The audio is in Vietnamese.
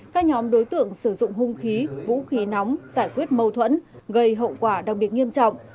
các nhóm đối tượng sử dụng hung khí vũ khí nóng giải quyết mâu thuẫn gây hậu quả đặc biệt nghiêm trọng